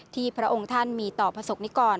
ที่พระองค์ท่านมีต่อประสงค์นี้ก่อน